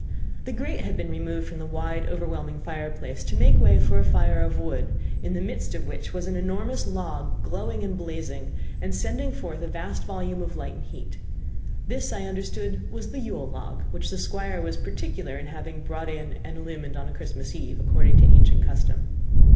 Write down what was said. The grate had been removed from the wide overwhelming fireplace, to make way for a fire of wood, in the midst of which was an enormous log glowing and blazing, and sending forth a vast volume of light and heat; this I understood was the Yule log, which the Squire was particular in having brought in and illumined on a Christmas eve, according to ancient custom.